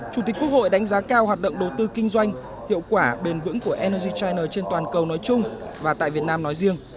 chủ tịch quốc hội đánh giá cao hoạt động đầu tư kinh doanh hiệu quả bền vững của energy china trên toàn cầu nói chung và tại việt nam nói riêng